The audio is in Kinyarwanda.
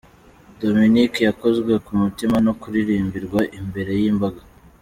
Dominic yakozwe ku mutima no kuririmbirwa imbere y’imbaga.